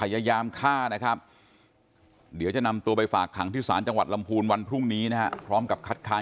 ว่ายังไงมันต้องปรึกษาเนอะเราคุยเราตัดสินใจคนเดียวก็ไม่ได้